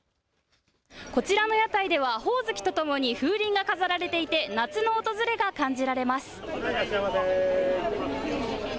こちらの屋台ではほおずきとともに風鈴が飾られていて夏の訪れが感じられます。